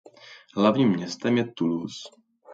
Hlavním městem je Toulouse.